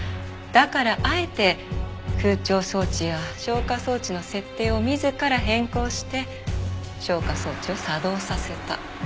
だからあえて空調装置や消火装置の設定を自ら変更して消火装置を作動させた。